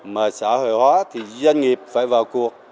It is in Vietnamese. mà xã hội hóa thì doanh nghiệp phải vào cuộc